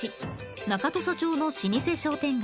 中土佐町の老舗商店街